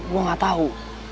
gue nggak tahu